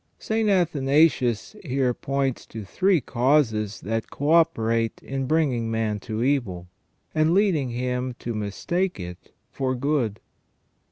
* St. Athanasius here points to three causes that co operate in bringing man to evil, and leading him to mistake it for good.